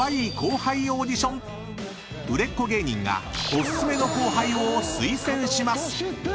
［売れっ子芸人がお薦めの後輩を推薦します］